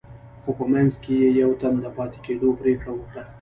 خو په منځ کې يې يوه تن د پاتې کېدو پرېکړه وکړه.